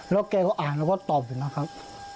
แล้วแกก็อ่านแล้วก็ตอบอยู่นะครับ